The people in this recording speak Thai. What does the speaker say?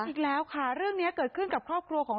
อีกแล้วค่ะเรื่องนี้เกิดขึ้นกับครอบครัวของ